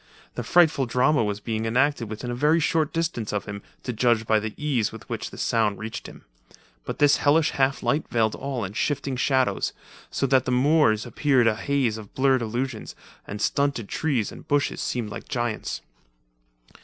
The frightful drama was being enacted within a very short distance of him, to judge by the ease with which the sounds reached him. But this hellish half light veiled all in shifting shadows, so that the moors appeared a haze of blurred illusions, and stunted trees, and bushes seemed like giants.